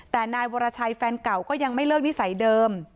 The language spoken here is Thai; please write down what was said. แต่นายวรชัยแฟนเก่าก็ยังไม่เลิกนิสัยเดิม